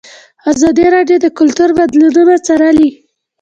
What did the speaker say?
ازادي راډیو د کلتور بدلونونه څارلي.